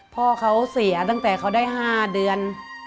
พ่อเขาเสียตั้งแต่เขาได้๕เดือน